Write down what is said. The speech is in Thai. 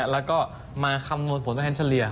แล้วก็มาคำนวณผลตัวแทนเฉลี่ย